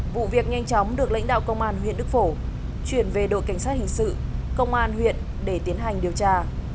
vụ việc nhanh chóng được lãnh đạo công an huyện đức phổ chuyển về đội cảnh sát hình sự công an huyện để tiến hành điều tra